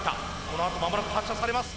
このあと間もなく発射されます。